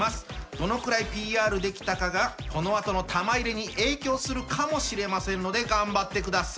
どのくらいＰＲできたかがこのあとの玉入れに影響するかもしれませんので頑張ってください。